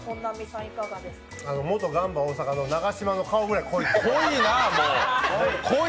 元ガンバ大阪の永島ぐらい濃い。